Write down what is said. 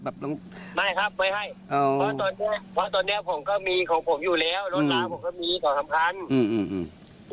ไม่ครับไม่ให้เพราะตอนนี้ผมก็มีของผมอยู่แล้วรถร้านผมก็มีก่อนสำคัญ